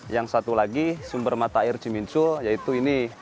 yang satu lagi sumber mata air cimincul yaitu ini